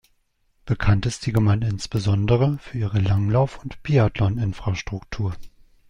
Bekannt ist die Gemeinde insbesondere für ihre Langlauf- und Biathlon-Infrastruktur.